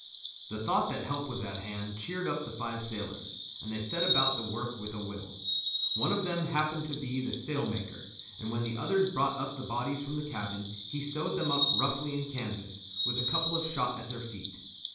The thought that help was at hand cheered up the five sailors, and they set about the work with a will. One of them happened to be the sail maker, and when the others brought up the bodies from the cabin he sewed them up roughly in canvas, with a couple of shot at their feet.